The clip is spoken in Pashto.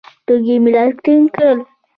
تورکي مې لاس ټينگ کړ.